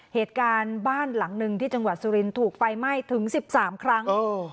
เหตุการณ์บ้านหลังหนึ่งที่จังหวัดสุรินทร์ถูกไฟไหม้ถึง๑๓ครั้ง